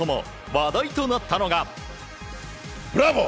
話題となったのが。